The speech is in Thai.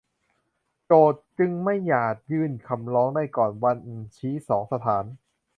โจทก์จึงไม่อาจยื่นคำร้องได้ก่อนวันชี้สองสถาน